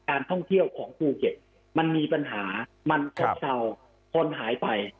ท่องเที่ยวของภูเก็ตมันมีปัญหามันซบเศร้าคนหายไป